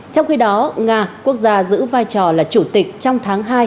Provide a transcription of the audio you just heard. trong khi đó nga quốc gia giữ vai trò là chủ tịch trong tháng hai